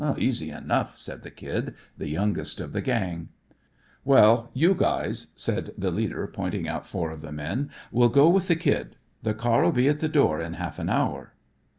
"Easy enough," said the Kid, the youngest of the gang. "Well, you guys," said the leader pointing out four of the men, "will go with the Kid. The car'll be at the door in half an hour."